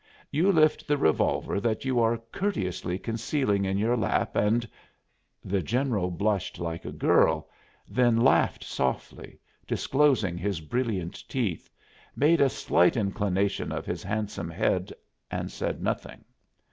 You lift the revolver that you are courteously concealing in your lap, and " The general blushed like a girl, then laughed softly, disclosing his brilliant teeth, made a slight inclination of his handsome head and said nothing.